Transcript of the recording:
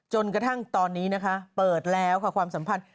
จนกระทั่งตอนนี้นะคะเปิดแล้วค่ะความสัมพันธ์